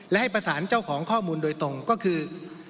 และให้ประสานเจ้าของข้อมูลโดยตรงก็คือ